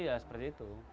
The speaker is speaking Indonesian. ya seperti itu